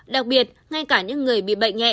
đặc biệt ngay cả những người bị bệnh nhẹ